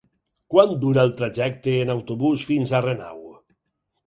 Quant dura el trajecte en autobús fins a Renau?